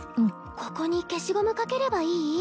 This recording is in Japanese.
ここに消しゴムかければいい？